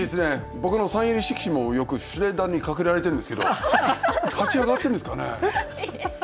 僕のサイン入り色紙もよくシュレッダーにかけられてるんですけど価値上がっているんですかね。